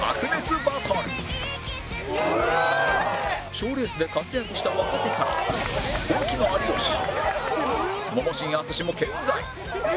賞レースで活躍した若手から本気の有吉モモ神淳も健在